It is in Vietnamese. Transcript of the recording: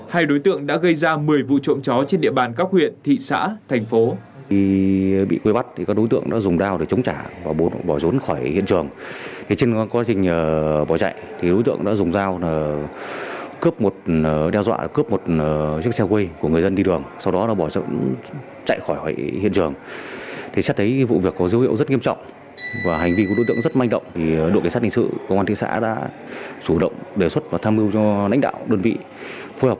hai đối tượng đã gây ra một mươi vụ trộm chó trên địa bàn các huyện thị xã thành phố